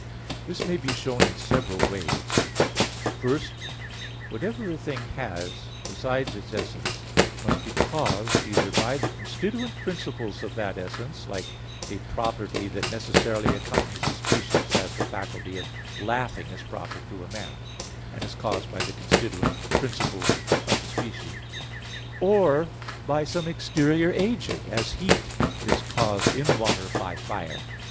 This may be shown in several ways. First, whatever a thing has besides its essence must be caused either by the constituent principles of that essence (like a property that necessarily accompanies the species as the faculty of laughing is proper to a man and is caused by the constituent principles of the species), or by some exterior agent as heat is caused in water by fire.